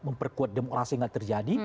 yang perkuat demokrasi gak terjadi